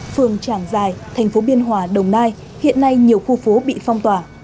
phường tràng giai thành phố biên hòa đồng nai hiện nay nhiều khu phố bị phong tỏa